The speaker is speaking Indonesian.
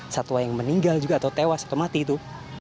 satwa yang meninggal juga atau tewas atau mati itu